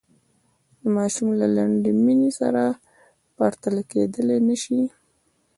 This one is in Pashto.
د ماشوم له لنډې مینې سره پرتله کېدلای نه شي.